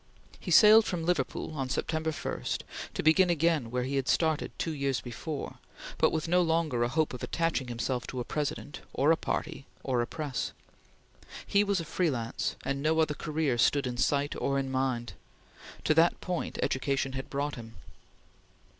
He sailed from Liverpool, on September 1, to begin again where he had started two years before, but with no longer a hope of attaching himself to a President or a party or a press. He was a free lance and no other career stood in sight or mind. To that point education had brought him.